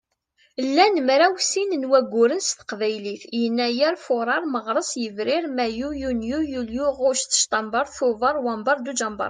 Llan mraw sin n wagguren s teqbaylit: Yennayer, Fuṛar, Meɣres, Yebrir, Mayyu, Yunyu, Yulyu, Ɣuct, Ctamber, Tuber, Wamber, Dujember.